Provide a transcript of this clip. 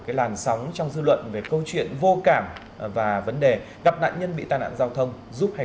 cái làn sóng trong dư luận về câu chuyện vô cảm và vấn đề gặp nạn nhân bị tai nạn giao thông giúp hay